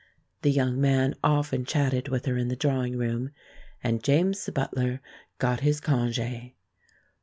The young man often chatted with her in the drawing room, and James the butler got his congé.